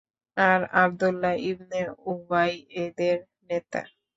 আর Abdullah ibn Ubayy এদের নেতা।